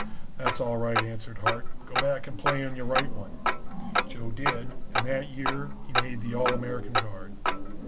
"'That's all right,' answered Hart, 'go back and play on your right one.' "Joe did and that year he made the All American guard.